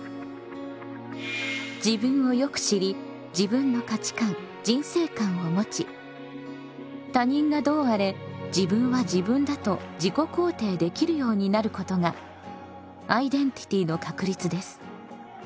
自分をよく知り自分の価値観・人生観をもち他人がどうあれ「自分は自分だと自己肯定」できるようになることがアイデンティティの確立です。